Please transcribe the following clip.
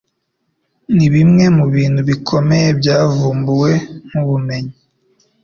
Nibimwe mubintu bikomeye byavumbuwe mubumenyi.